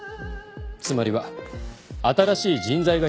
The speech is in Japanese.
つまりは新しい人材が必要かと。